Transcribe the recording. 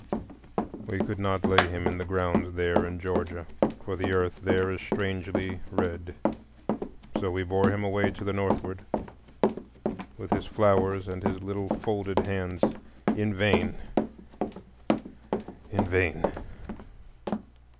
We could not lay him in the ground there in Georgia, for the earth there is strangely red; so we bore him away to the northward, with his flowers and his little folded hands. In vain, in vain!